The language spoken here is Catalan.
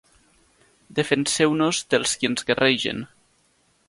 Defenseu-nos dels qui ens guerregen.